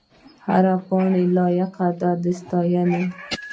هره پاڼه یې لایق وه د ستاینې.